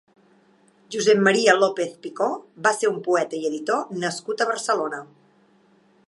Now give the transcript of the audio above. Josep Maria López-Picó va ser un poeta i editor nascut a Barcelona.